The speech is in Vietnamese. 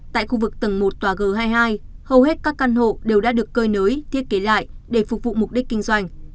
tại khu vực tầng một tòa g hai mươi hai hầu hết các căn hộ đều đã được cơi nới thiết kế lại để phục vụ mục đích kinh doanh